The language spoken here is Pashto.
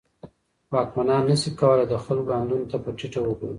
واکمنان نه سي کولای د خلګو آندونو ته په ټيټه وګوري.